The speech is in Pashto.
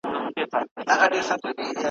چا ویل چي دا ګړی به قیامت کیږي؟ ,